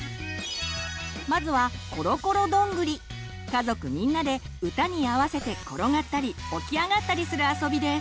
まずは家族みんなで歌に合わせて転がったりおきあがったりするあそびです！